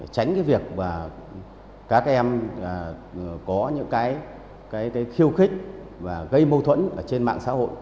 tránh việc các em có những khiêu khích và gây mâu thuẫn trên mạng xã hội